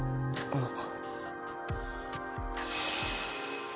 あっ。